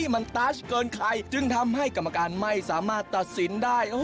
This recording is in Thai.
มันตาชเกินใครจึงทำให้กรรมการไม่สามารถตัดสินได้